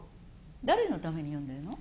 誰のために読んでるの？